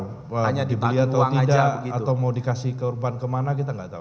hanya dibeli atau tidak atau mau dikasih kurban kemana kita enggak tahu